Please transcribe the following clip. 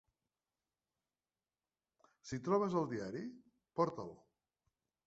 Si trobes el diari, porta'l.